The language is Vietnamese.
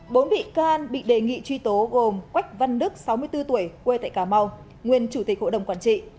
bốn bị can bị đề nghị truy tố gồm quách văn đức sáu mươi bốn tuổi quê tại cà mau nguyên chủ tịch hội đồng quản trị